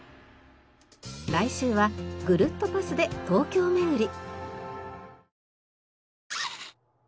来週はぐるっとパスで東京巡り。